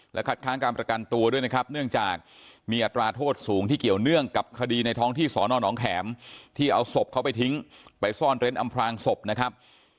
คัดค้างการประกันตัวด้วยนะครับเนื่องจากมีอัตราโทษสูงที่เกี่ยวเนื่องกับคดีในท้องที่สอนอนองแขมที่เอาศพเขาไปทิ้งไปซ่อนเร้นอำพลางศพนะครับ